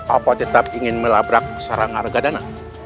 apa tetap ingin melabrak sarang harga dana